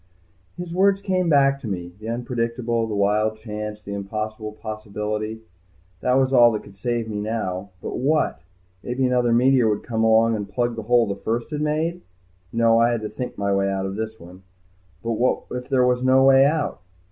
His words came back to me. The unpredictable, the wild chance, the impossible possibility. That was all that could save me now. But what? Maybe another meteor would come along and plug the hole the first one had made. No. I had to think my way out of this one. But what if there was no way out?